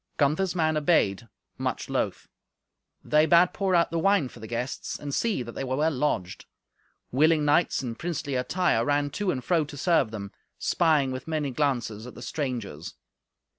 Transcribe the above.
Gunther's men obeyed, much loth. They bade pour out the wine for the guests, and see that they were well lodged. Willing knights in princely attire ran to and fro to serve them, spying with many glances at the strangers.